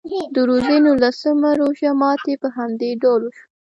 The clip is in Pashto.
د روژې نولسم روژه ماتي په همدې ډول وشو.